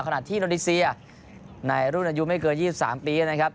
ขณะที่อินโดนีเซียในรุ่นอายุไม่เกิน๒๓ปีนะครับ